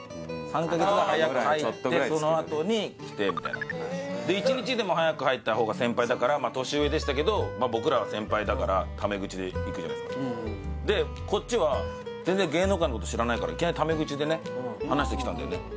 そのあとに来てみたいなで１日でも早く入った方が先輩だから年上でしたけど僕らは先輩だからタメ口でいくじゃないすかでこっちは全然芸能界のこと知らないからいきなりタメ口でね話してきたんだよね